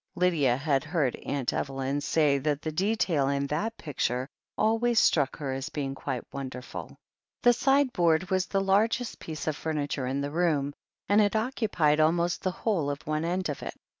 Lydia had heard Aunt Evelyn isay that the detail in that picture always struck her as being quite wonderful. The sideboard was the largest piece of furniture in the room, and it occupied almost the whole of one end of it.